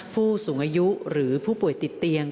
ผู้สูงอายุหรือผู้ป่วยติดเตียง